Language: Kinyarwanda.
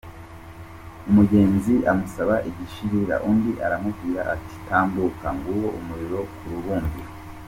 Umugenzi amusaba igishirira, undi aramubwira ati "Tambuka nguwo umuriro ku rubumbiro.